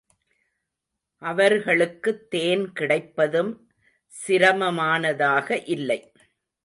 அவர்களுக்குத் தேன் கிடைப்பதும் சிரமமானதாக இல்லை.